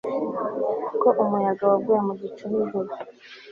Ko umuyaga wavuye mu gicu nijoro